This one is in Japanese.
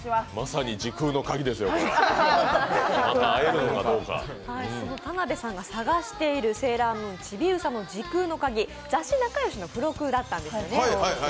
その田辺さんが探している「セーラームーン」ちびうさの時空の鍵、雑誌「なかよし」の付録だったんですよね。